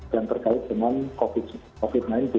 yang terkait dengan covid sembilan belas